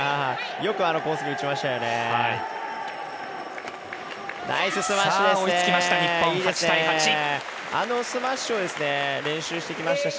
よくあのコースに打ちましたよね。